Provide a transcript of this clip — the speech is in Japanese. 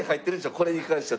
これに関しては。